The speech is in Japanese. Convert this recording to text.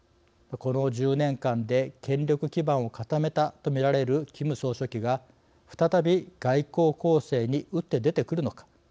この１０年間で権力基盤を固めたとみられるキム総書記が再び外交攻勢に打って出てくるのか。